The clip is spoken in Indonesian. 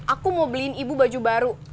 aku mau beliin ibu baju baru